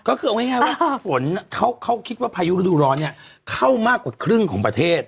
ก็คือเอาง่ายว่าฝนเขาคิดว่าพายุฤดูร้อนเนี่ยเข้ามากกว่าครึ่งของประเทศ